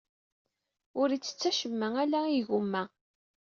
Ur ittett acemma, ala igumma.